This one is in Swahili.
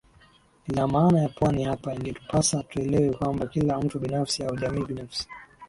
lina maana ya pwani Hapa ingetupasa tuelewe kwamba kila mtu binafsi au jamii binafsi